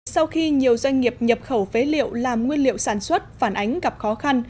sau khi nhiều doanh nghiệp nhập khẩu phế liệu làm nguyên liệu sản xuất phản ánh gặp khó khăn